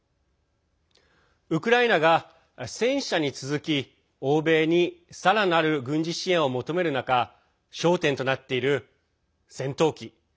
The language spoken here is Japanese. ウクライナが、戦車に続き欧米にさらなる軍事支援を求める中焦点となっている戦闘機。